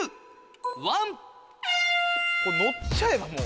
これ乗っちゃえばもう。